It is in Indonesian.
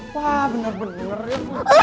wah bener bener ya